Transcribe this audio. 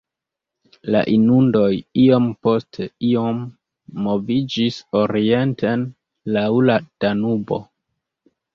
La inundoj iom post iom moviĝis orienten laŭ la Danubo.